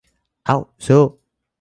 เอ้า สู้ !